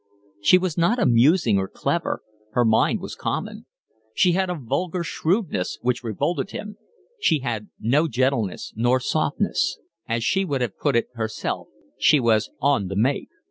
She was not amusing or clever, her mind was common; she had a vulgar shrewdness which revolted him, she had no gentleness nor softness. As she would have put it herself, she was on the make.